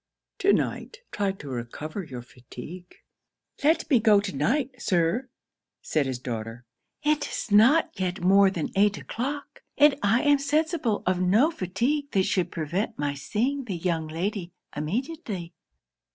To night, try to recover your fatigue.' 'Let me go to night, Sir,' said his daughter. 'It is not yet more than eight o'clock, and I am sensible of no fatigue that should prevent my seeing the young lady immediately.'